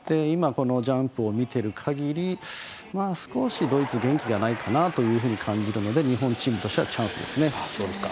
今、このジャンプを見てるかぎり少しドイツ元気がないかなというふうに感じるので、日本チームとしてはチャンスですね。